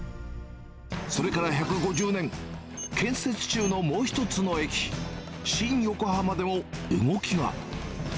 それから１５０年、建設中のもう一つの駅、新横浜でも動きが。